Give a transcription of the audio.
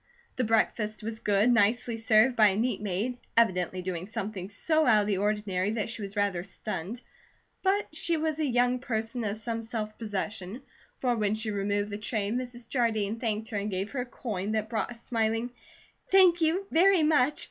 The breakfast was good, nicely served by a neat maid, evidently doing something so out of the ordinary that she was rather stunned; but she was a young person of some self possession, for when she removed the tray, Mrs. Jardine thanked her and gave her a coin that brought a smiling: "Thank you very much.